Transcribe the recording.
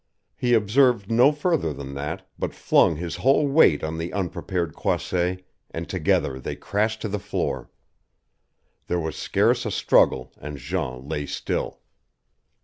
He observed no further than that, but flung his whole weight on the unprepared Croisset, and together they crashed to the floor. There was scarce a struggle and Jean lay still.